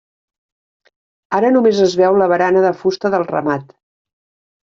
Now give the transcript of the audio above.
Ara només es veu la barana de fusta del remat.